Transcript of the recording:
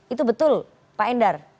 itu betul pak endar